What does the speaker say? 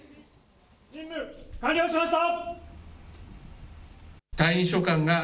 任務、完了しました。